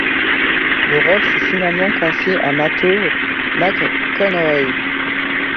Le rôle fut finalement confié à Matthew McConaughey.